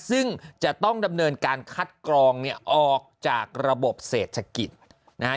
ซึ่งจะต้องดำเนินการคัดกรองเนี่ยออกจากระบบเศรษฐกิจนะฮะ